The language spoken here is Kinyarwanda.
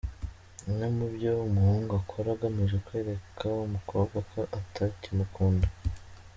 Bimwe mu byo umuhungu akora agamije kwereka umukobwa ko atakimukunda